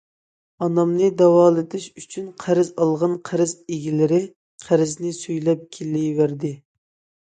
ئانامنى داۋالىتىش ئۈچۈن قەرز ئالغان قەرز ئىگىلىرى قەرزنى سۈيلەپ كېلىۋەردى.